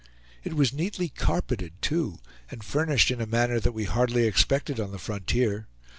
It was neatly carpeted too and furnished in a manner that we hardly expected on the frontier.